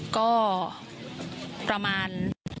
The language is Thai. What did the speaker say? ก็ประมาณ